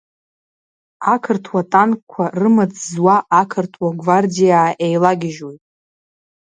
Ақырҭуа танкқәа рымаҵ зуа ақырҭуа гвардиаа еилагьежьуеит.